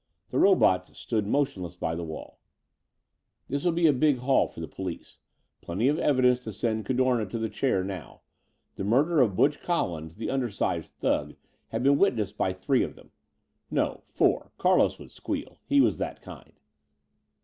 The robots stood motionless by the wall. This would be a big haul for the police. Plenty of evidence to send Cadorna to the chair now. The murder of Butch Collins, the undersized thug, had been witnessed by three of them. No, four: Carlos would squeal. He was that kind.